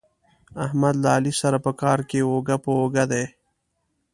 احمد له علي سره په کار کې اوږه په اوږه دی.